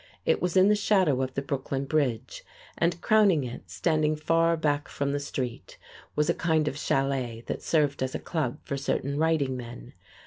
It was in the shadow of the Brooklyn Bridge, and crowning it, standing far back from the street, was a kind of chalet that served as a club for certain writing men.